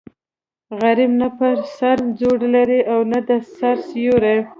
غریب نه په سر څوړی لري او نه د سر سیوری.